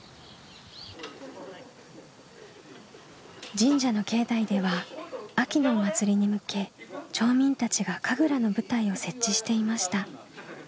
神社の境内では秋のお祭りに向け町民たちが神楽の舞台を設置していました。